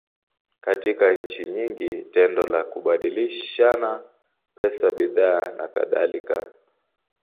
Katika nchi nyingi, tendo la kubadilishana pesa, bidhaa, nakadhalika.